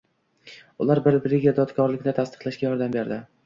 ular bir-biriga itoatkorlikni tasdiqlashga yordam berdi.